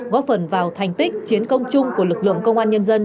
góp phần vào thành tích chiến công chung của lực lượng công an nhân dân